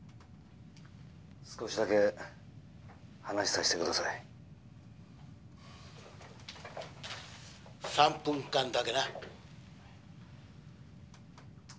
「少しだけ話をさせてください」「」「３分間だけな」